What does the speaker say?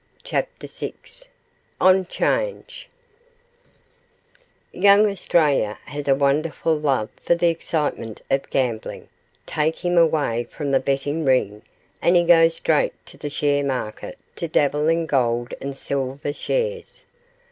CHAPTER VI ON CHANGE Young Australia has a wonderful love for the excitement of gambling take him away from the betting ring and he goes straight to the share market to dabble in gold and silver shares.